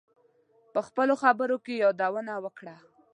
په خپلو خبرو کې یادونه وکړه.